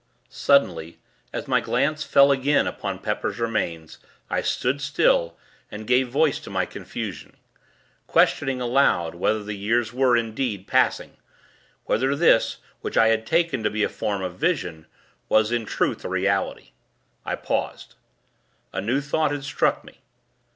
Suddenly, as my glance fell again upon Pepper's remains, I stood still, and gave voice to my confusion questioning, aloud, whether the years were, indeed, passing; whether this, which I had taken to be a form of vision, was, in truth, a reality. I paused. A new thought had struck me.